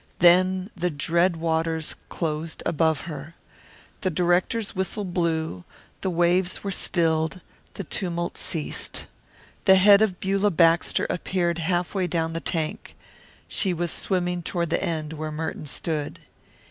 Then the dread waters closed above her. The director's whistle blew, the waves were stilled, the tumult ceased. The head of Beulah Baxter appeared halfway down the tank. She was swimming toward the end where Merton stood.